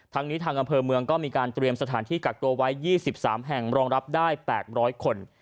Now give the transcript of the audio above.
ทางนี้ทางอำเภอเมืองก็มีการเตรียมสถานที่กักตัวไว้๒๓แห่งรองรับได้๘๐๐คน